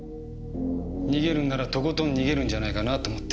逃げるんならとことん逃げるんじゃないかなと思って。